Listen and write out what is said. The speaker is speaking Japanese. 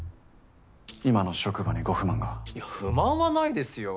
今の職場にご不満が？いや不満はないですよ。